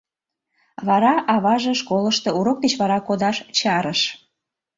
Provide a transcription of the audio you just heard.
Вара аваже школышто урок деч вара кодаш чарыш.